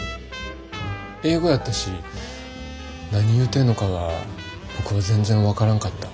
英語やったし何言うてんのかは僕は全然分からんかった。